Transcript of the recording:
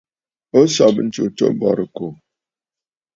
O sɔ̀bə ntsu tǒ bɔ̀rɨkòò.